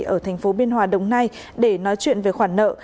ở thành phố biên hòa đồng nai để nói chuyện về khoản nợ